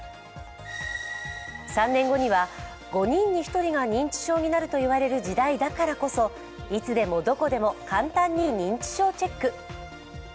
３年後には５人に１人が認知症になると言われる時代だからこそいつでも、どこでも、簡単に認知症チェック。